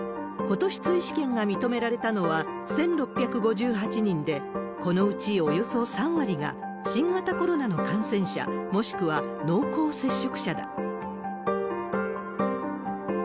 ことし、追試験が認められたのは１６５８人で、このうちおよそ３割が新型コロナの感染者、もしくは濃厚接触者だ。